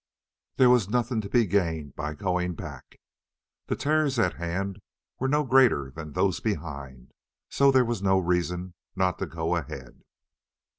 There was nothing to be gained by going back. The terrors at hand were no greater than those behind, so there was no reason not to go ahead.